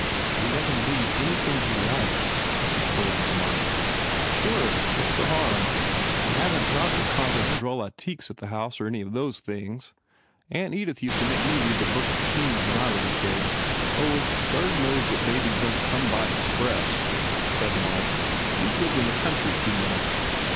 "You let him read anything he likes," she scolded Mark. "Sure. Where s the harm ? I haven t got the Contes Drolatiques at the house or any of those things. Aunt Edith used to make me read the Book of Kings when I was a kid. Oh, Gurd knows that babies don t come by express," said Mark, "He s lived in the country, too much."